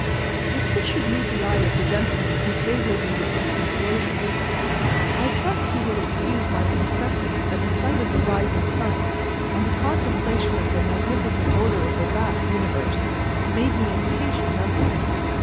If this should meet the eye of the gentleman who favoured me with these disclosures, I trust he will excuse my confessing that the sight of the rising sun, and the contemplation of the magnificent Order of the vast Universe, made me impatient of them.